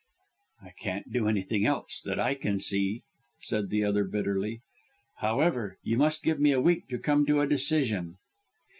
"I can't do anything else, that I can see," said the other bitterly. "However, you must give me a week to come to a decision."